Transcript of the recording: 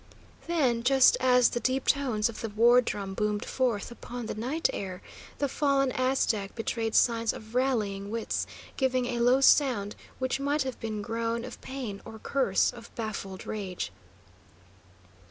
Then, just as the deep tones of the war drum boomed forth upon the night air, the fallen Aztec betrayed signs of rallying wits, giving a low sound which might have been groan of pain or curse of baffled rage.